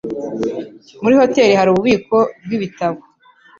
Muri hoteri hari ububiko bwibitabo?